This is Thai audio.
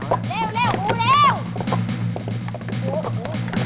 เร็วเร็วอู๋เร็ว